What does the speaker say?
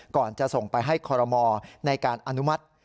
ก่อนจะส่งไปให้คอรมอในการอนุมัติ